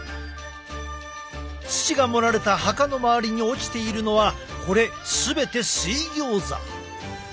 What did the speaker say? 土が盛られた墓の周りに落ちているのはこれ全て水ギョーザ。